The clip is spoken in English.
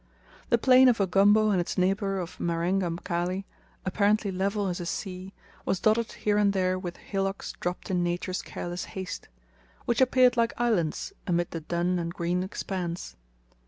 The plain of Ugombo and its neighbour of Marenga Mkali, apparently level as a sea, was dotted here and there with "hillocks dropt in Nature's careless haste," which appeared like islands amid the dun and green expanse.